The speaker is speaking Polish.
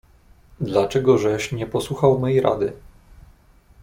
"Dla czegożeś nie posłuchał mej rady."